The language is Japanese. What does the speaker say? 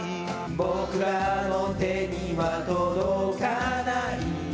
僕らの手には届かない